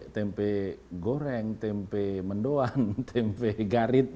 tempe goreng tempe mendoan tempe garit